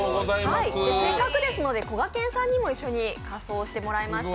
せっかくですので、こがけんさんにも一緒に仮装してもらいました。